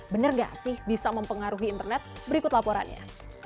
bener gak sih bisa mempengaruhi internet berikut laporannya